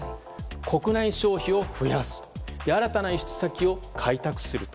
国内消費を増やす新たな輸出先を開拓すると。